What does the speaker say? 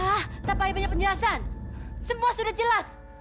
hah tak payah banyak penjelasan semua sudah jelas